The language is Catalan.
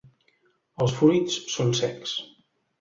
Els fruits són secs.